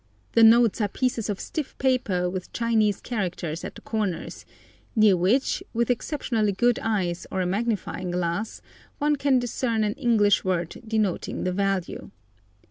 The notes are pieces of stiff paper with Chinese characters at the corners, near which, with exceptionally good eyes or a magnifying glass, one can discern an English word denoting the value.